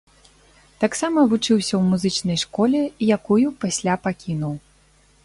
Таксама вучыўся ў музычнай школе, якую пасля пакінуў.